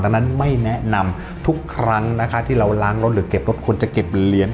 ดังนั้นไม่แนะนำทุกครั้งนะคะที่เราล้างรถหรือเก็บรถควรจะเก็บเหรียญ